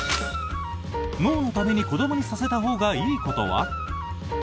脳のために子どもにさせたほうがいいことは？